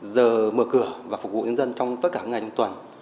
giờ mở cửa và phục vụ nhân dân trong tất cả ngày trong tuần